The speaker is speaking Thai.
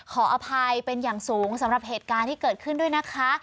ขออภัยเป็นอย่างสูงสำหรับเหตุการณ์ที่เกิดขึ้นด้วยนะคะ